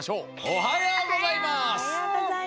おはようございます。